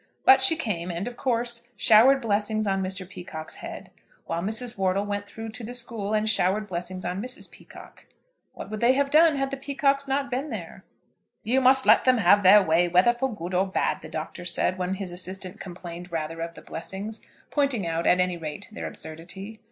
But she came, and, of course, showered blessings on Mr. Peacocke's head, while Mrs. Wortle went through to the school and showered blessings on Mrs. Peacocke. What would they have done had the Peacockes not been there? "You must let them have their way, whether for good or bad," the Doctor said, when his assistant complained rather of the blessings, pointing out at any rate their absurdity.